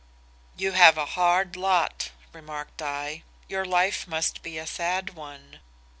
"'You have a hard lot,' remarked I. 'Your life must be a sad one.